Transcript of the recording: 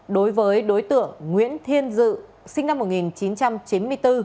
đối với đối tượng nguyễn thiên dự sinh năm một nghìn chín trăm chín mươi bốn